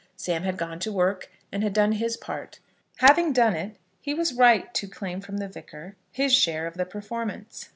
Sam had gone to work, and had done his part. Having done it, he was right to claim from the Vicar his share of the performance.